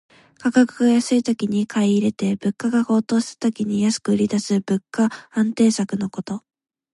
価格が安いときに買い入れて、物価が高騰した時に安く売りだす物価安定策のこと。